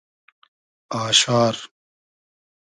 آشار